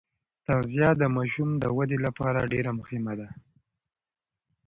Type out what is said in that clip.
تغذیه د ماشوم د ودې لپاره ډېره مهمه ده.